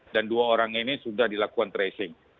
dan dua orang ini sudah dilakukan tracing